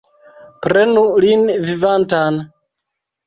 Prenu lin vivantan!